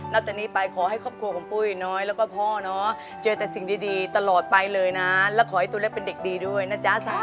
จากนี้ไปขอให้ครอบครัวของปุ้ยน้อยแล้วก็พ่อเนาะเจอแต่สิ่งดีตลอดไปเลยนะแล้วขอให้ตัวเล็กเป็นเด็กดีด้วยนะจ๊ะ